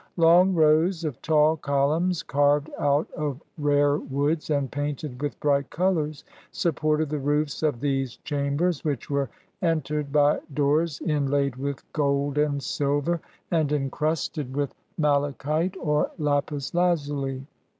Long rows of tall columns, carved out of rare woods and painted with bright colors, supported the roofs of these chambers, which were entered by doors inlaid with gold and silver, and encrusted with malachite or lapis lazuli.